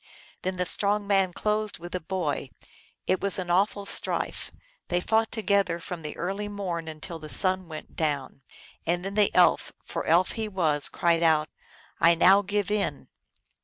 Then the strong man closed with the boy. It was an awful strife ; they fought together from the early morn until the sun went down, and then the Elf for elf he was cried out, " I now give in